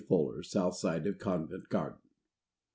FULLER, South Side of Covent Garden.